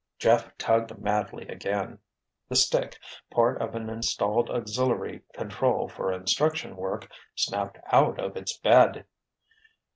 Jeff tugged madly again. The stick, part of an installed auxiliary control for instruction work, snapped out of its bed.